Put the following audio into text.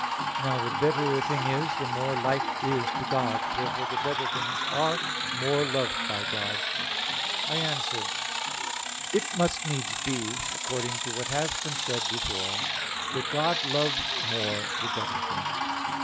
Now the better a thing is, the more like is it to God. Therefore the better things are more loved by God. I answer that, It must needs be, according to what has been said before, that God loves more the better things.